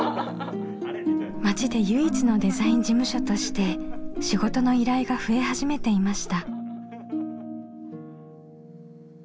町で唯一のデザイン事務所として仕事の依頼が増え始めていました。